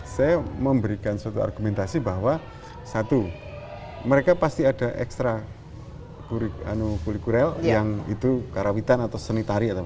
saya memberikan suatu argumentasi bahwa satu mereka pasti ada ekstra kulikurel yang itu karawitan atau seni tari